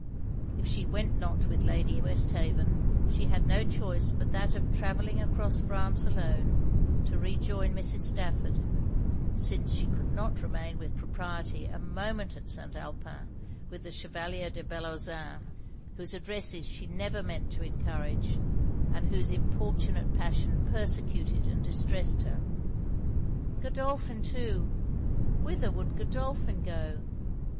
If she went not with Lady Westhaven, she had no choice but that of travelling across France alone, to rejoin Mrs. Stafford; since she could not remain with propriety a moment at St. Alpin, with the Chevalier de Bellozane; whose addresses she never meant to encourage, and whose importunate passion persecuted and distressed her. Godolphin too! whither would Godolphin go?